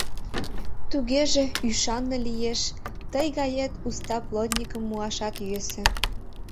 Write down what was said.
— Тугеже ӱшанле лиеш, тый гает уста плотникым муашат йӧсӧ.